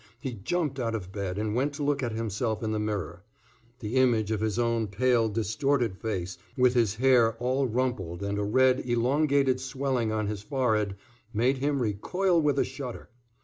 He jumped out of bed and went to look at himself in the mirror. The image of his own pale, distorted face, with his hair all rumpled and a red, elongated swelling on his forehead, made him recoil with a shudder.